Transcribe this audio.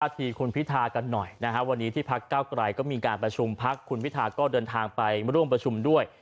ทีคุณพิธากันหน่อยนะครับวันนี้ที่พักเก้าไกรก็มีการประชุมพักคุณพิธาก็เดินทางไปร่วมประชุมด้วย